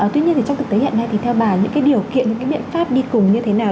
tuy nhiên thì trong thực tế hiện nay thì theo bà những cái điều kiện những cái biện pháp đi cùng như thế nào